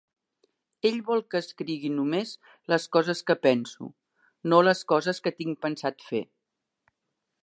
Ell vol que escrigui només les coses que penso, no les coses que tinc pensat fer.